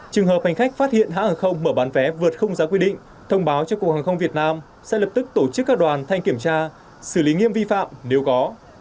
trường hợp hành khách phát hiện hãng hàng không mở bán vé vượt không giá quy định thông báo cho cục hàng không việt nam sẽ lập tức tổ chức các đoàn thanh kiểm tra xử lý nghiêm vi phạm nếu có